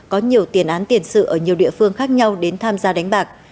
có nhiều tiền án tiền sự ở nhiều địa phương khác nhau đến tham gia đánh bạc